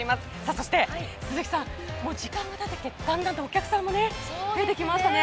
そして、鈴木さんもう時間がたってきてだんだんとお客さんも増えてきましたね。